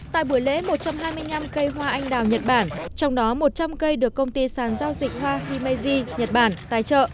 tại buổi lễ một trăm hai mươi năm cây hoa anh đào nhật bản trong đó một trăm linh cây được công ty sàn giao dịch hoa himeji nhật bản tài trợ